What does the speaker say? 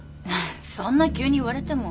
そんな急に言われても。